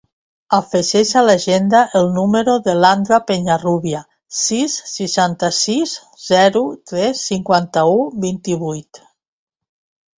Afegeix a l'agenda el número de l'Andra Peñarrubia: sis, seixanta-sis, zero, tres, cinquanta-u, vint-i-vuit.